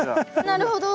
なるほど。